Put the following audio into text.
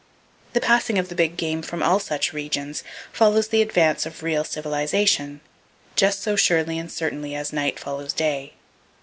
The passing of the big game from all such regions follows the advance of real civilization, just so surely and certainly as night follows day.